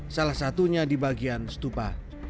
salah satunya di bagian stupa